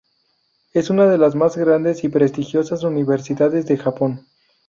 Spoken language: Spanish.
Es una de las más grandes y prestigiosas universidades de Japón.